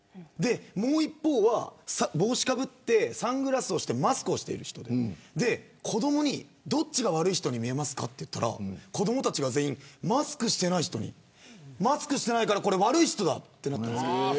もう一方は帽子をかぶってサングラスをしてマスクをしている人子どもにどっちが悪い人に見えますかと聞いたら子どもたちが全員マスクをしていない人に悪い人だってなったんです。